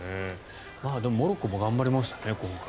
でもモロッコも今回、頑張りましたね。